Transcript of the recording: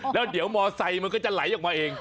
แล้วเดี๋ยวมอไซค์มันก็จะไหลออกมาเอง